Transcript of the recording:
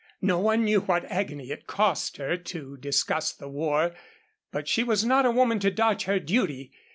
No one knew what agony it cost her to discuss the war, but she was not a woman to dodge her duty.